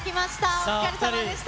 お疲れさまでした。